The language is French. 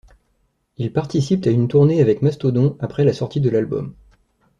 Ils participent à une tournée avec Mastodon après la sortie de l'album.